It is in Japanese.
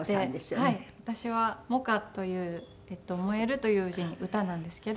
私は萌歌という萌えるという字に歌なんですけど。